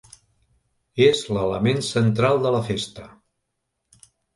És l'element central de la festa.